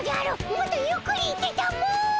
もっとゆっくり行ってたも！